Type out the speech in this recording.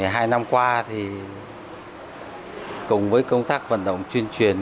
hai năm qua thì cùng với công tác vận động chuyên